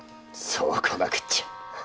そうこなくっちゃ！